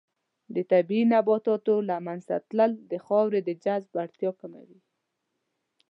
د طبیعي نباتاتو له منځه تلل د خاورې د جذب وړتیا کموي.